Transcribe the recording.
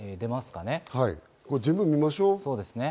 全部見ましょう。